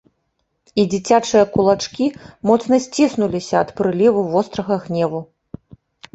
І дзіцячыя кулачкі моцна сціснуліся ад прыліву вострага гневу.